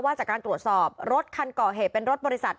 จากการตรวจสอบรถคันก่อเหตุเป็นรถบริษัท